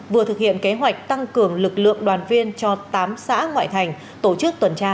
vừa thực hiện kế hoạch tăng cường lực lượng đoàn viên cho tám xã ngoại thành tổ chức tuần tra